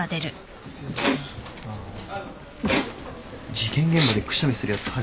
事件現場でくしゃみするやつ初めて見た。